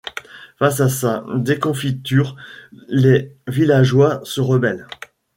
Face à sa déconfiture, les villageois se rebellent.